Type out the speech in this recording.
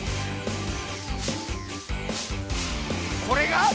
これが！